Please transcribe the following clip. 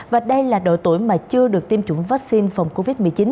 và đây là độ tuổi mà chưa được tiêm chủng vaccine phòng covid một mươi chín